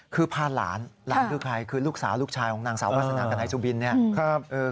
คือพาหลานหลานคือใครคือลูกสาวลูกชายของนางสาววาสนากับนายสุบินเนี่ย